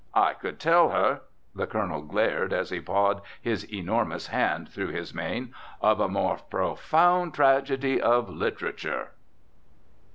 I could tell her" the Colonel glared as he pawed his enormous hand through his mane "of a more profound tragedy of literature."